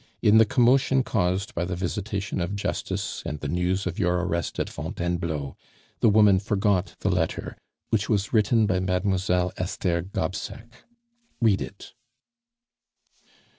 In the commotion caused by the visitation of justice and the news of your arrest at Fontainebleau, the woman forgot the letter which was written by Mademoiselle Esther Gobseck. Read it!"